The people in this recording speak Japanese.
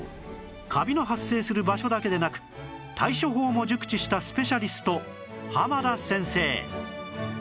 カビの発生する場所だけでなく対処法も熟知したスペシャリスト浜田先生